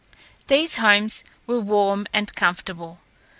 These homes were warm and comfortable.